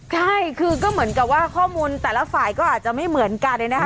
ใช่คือก็เหมือนกับว่าข้อมูลแต่ละฝ่ายก็อาจจะไม่เหมือนกันนะคะ